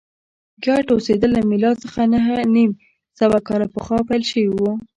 ګډ اوسېدل له میلاد څخه نهه نیم سوه کاله پخوا پیل شوي و